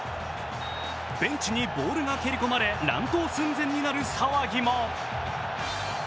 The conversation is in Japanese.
ベンチにボールが蹴り込まれ乱闘寸前になる騒ぎも。